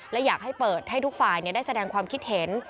และอยากให้เปิดให้ทุกฝ่ายได้แสดงความคิดเห็น